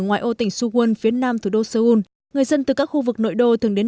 ở ngoài ô tỉnh suwon phía nam thủ đô seoul người dân từ các khu vực nội đô thường đến